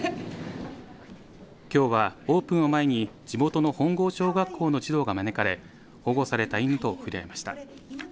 きょうはオープンを前に地元の本郷小学校の児童が招かれ保護された犬と触れあいました。